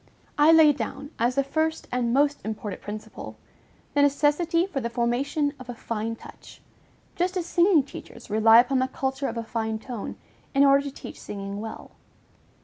I laid down, as the first and most important principle, the necessity for "the formation of a fine touch," just as singing teachers rely upon the culture of a fine tone, in order to teach singing well.